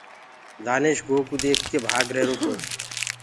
دآيش گو ڪوُ ديک ڪي ڀآگ رهيرو تو۔